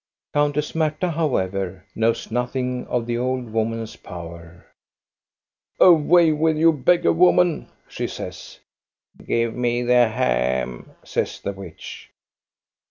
Countess Marta, however, knows nothing of the old woman's power. Away with you, beggar woman !" she says. " Give me the ham," says the witch.